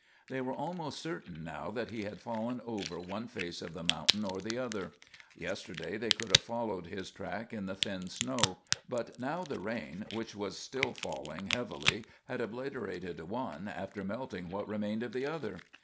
They were almost certain now that he had fallen over one face of the mountain or the other. Yesterday they could have followed his track in the thin snow, but now the rain, which was still falling heavily, had obliterated one after melting what remained of the other.